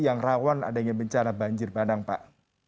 yang rawan adanya bencana banjir bandang pak